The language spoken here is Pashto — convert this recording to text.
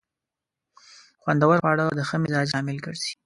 خوندور خواړه د ښه مزاج لامل ګرځي.